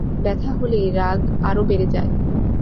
ব্যথা হলেই রাগ আরো বেড়ে যায়।